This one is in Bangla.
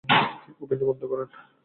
অভিনয় বন্ধ করেন।